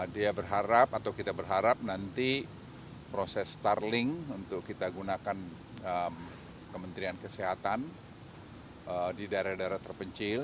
dia berharap atau kita berharap nanti proses starling untuk kita gunakan kementerian kesehatan di daerah daerah terpencil